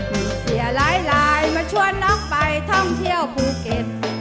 มีเสียหลายมาชวนน้องไปท่องเที่ยวภูเก็ต